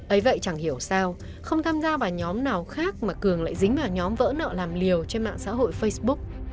ấy vậy chẳng hiểu sao không tham gia vào nhóm nào khác mà cường lại dính vào nhóm vỡ nợ làm liều trên mạng xã hội facebook